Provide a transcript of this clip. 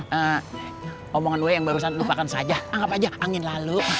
saya omongan gue yang barusan lupakan saja anggap aja angin lalu